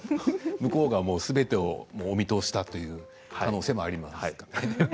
向こうが、すべてお見通しだという可能性もありますね。